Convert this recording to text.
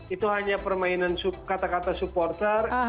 itu hanya permainan kata kata supporter